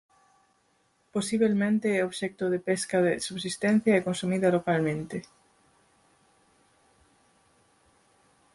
Posibelmente é obxecto de pesca de subsistencia e consumida localmente.